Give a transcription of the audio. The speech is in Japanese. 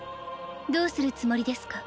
どうするつもりですか？